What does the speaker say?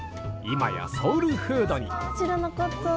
今やソウルフードに。